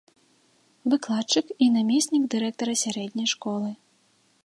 Выкладчык і намеснік дырэктара сярэдняй школы.